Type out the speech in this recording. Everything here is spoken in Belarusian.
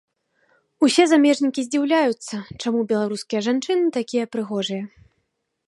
Усе замежнікі здзіўляюцца, чаму беларускія жанчыны такія прыгожыя.